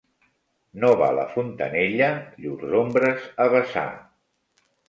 No va la fontanella llurs ombres a besar.